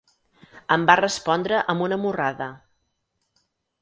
Em va respondre amb una morrada.